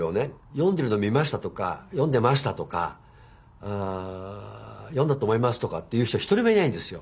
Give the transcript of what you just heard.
「読んでるの見ました」とか「読んでました」とかあ「読んだと思います」とかっていう人一人もいないんですよ。